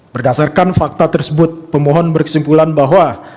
berdasarkan fakta tersebut pemohon berkesimpulan bahwa